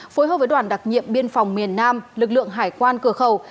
phối hợp với đoàn đặc nhiệm biên phòng miền nam lực lượng hải quan cửa khẩu